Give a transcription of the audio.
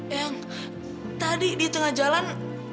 yang tadi di tengah jalan